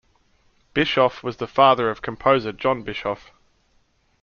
Bischoff was the father of composer John Bischoff.